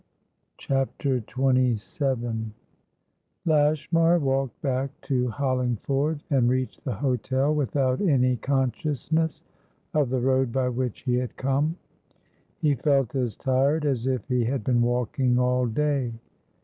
CHAPTER XXVII Lashmar walked back to Hollingford, and reached the hotel without any consciousness of the road by which he had come. He felt as tired as if he had been walking all day.